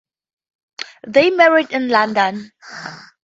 They married in London.